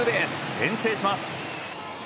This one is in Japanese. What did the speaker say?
先制します。